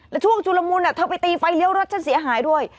แล้วช่วงชุลมุนเธอไปตีไฟเลี้ยวรถฉันเสียหายด้วย